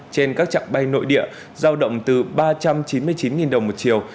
trên các trạng bay nội địa giao động từ ba trăm chín mươi chín đồng một chiều